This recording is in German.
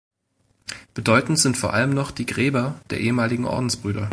Bedeutend sind vor allem noch die Gräber der ehemaligen Ordensbrüder.